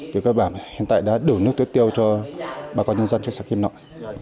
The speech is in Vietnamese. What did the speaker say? thì các bản hiện tại đã đổ nước tuyết tiêu cho bà con nhân dân trên xã kim nội